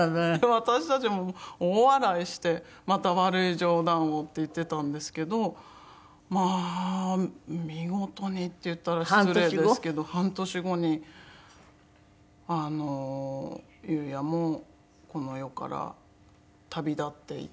私たちも大笑いして「また悪い冗談を」って言ってたんですけどまあ見事にって言ったら失礼ですけど半年後にあの裕也もこの世から旅立っていって。